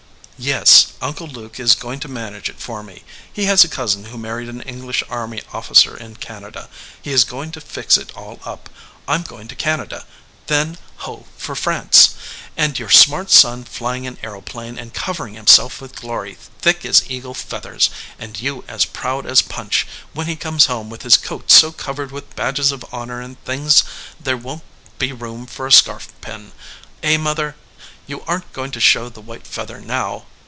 "Yes, Uncle Luke is going to manage it for me. He has a cousin who married an English army officer in Canada. He is going to fix it all up. I m going to Canada, then ho for France ! and your smart son flying an aeroplane, and covering himself with glory thick as eagle feathers, and you as proud as Punch, when he comes home with his coat so covered with badges of honor and things there 179 EDGEWATER PEOPLE won t be room for a scarf pin. Eh, mother? You aren t going to show the white feather now